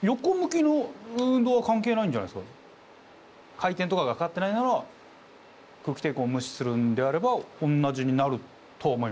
回転とかがかかってないなら空気抵抗を無視するんであればおんなじになると思います。